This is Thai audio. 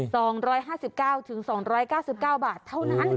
๒๕๙ถึง๒๙๙บาทเท่านั้น